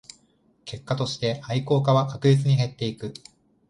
結果として愛好家は確実に減っていく